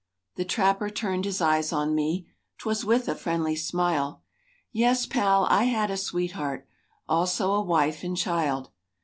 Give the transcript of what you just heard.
The trapper turned his eyes on me, 'Twas with a friendly smile:— "Yes, Pal, I had a sweetheart, Also a wife and child.